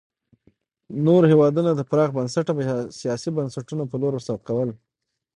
نور هېوادونه د پراخ بنسټه سیاسي بنسټونو په لور سوق کول.